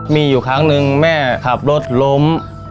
มีอยู่ครั้งหนึ่งแม่ขับรถล้ม